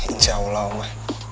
insya allah oma